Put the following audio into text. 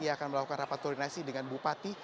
ia akan melakukan rapat koordinasi dengan bupati